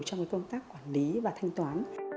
trong công tác quản lý và thanh toán